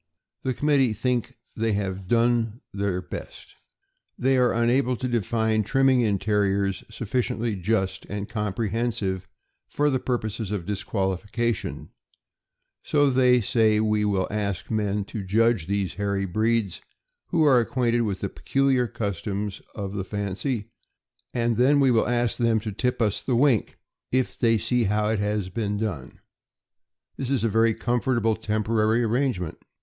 The committee think they have done their 410 THE AMERICAN BOOK OF THE DOG. best. They are unable to define trimming in Terriers sufficiently just and com prehensive for the purposes of disqualification; so they say we will ask men to judge these hairy breeds who are acquainted with the peculiar customs of the fancy, and then we will ask them to tip us the wink if they see how it has been done. This is a very comfortable temporary arrangement.